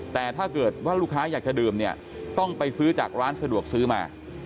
แต่ถ้าเกิดว่าลูกค้าอยากจะดื่มเนี่ยต้องไปซื้อจากร้านสะดวกซื้อมา